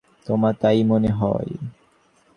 তোমার তাই-ই মনে হয়?